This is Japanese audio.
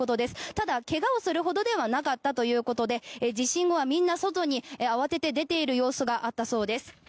ただ、怪我をするほどではなかったということで地震後はみんな外に慌てて出ている様子があったそうです。